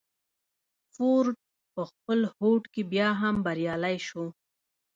فورډ په خپل هوډ کې بيا هم بريالی شو.